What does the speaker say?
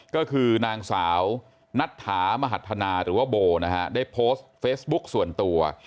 ก็คือนางสาวนัทธามหัฒนาหรือว่าโบนะฮะได้โพสต์เฟซบุ๊กส่วนตัว